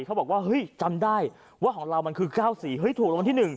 เขาบอกว่าเฮ้ยจำได้ว่าของเรามันคือ๙๔เฮ้ยถูกรางวัลที่๑